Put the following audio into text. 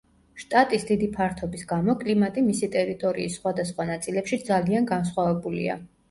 შტატის დიდი ფართობის გამო კლიმატი მისი ტერიტორიის სხვადასხვა ნაწილებში ძალიან განსხვავებულია.